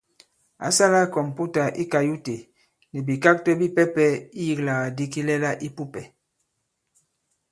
Ǎ sālā kɔ̀mputà i kayute nì bìkakto bipɛpɛ iyīklàgàdi kilɛla ī pupɛ̀.